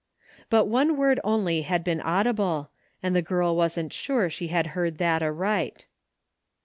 But one word only had been audible, and the girl wasn't sure she had heard that aright.